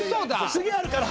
次あるから。